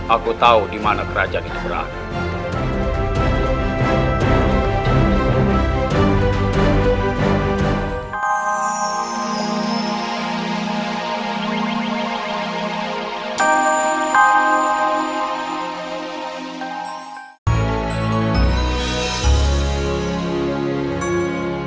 aku tahu di mana kerajaan kusipramu